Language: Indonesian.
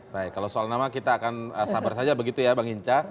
baik kalau soal nama kita akan sabar saja begitu ya bang hinca